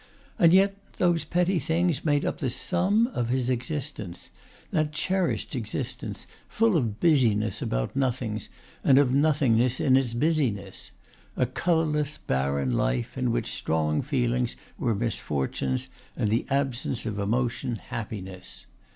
And yet those petty things made up the sum of his existence, that cherished existence, full of busyness about nothings, and of nothingness in its business; a colorless barren life in which strong feelings were misfortunes, and the absence of emotion happiness.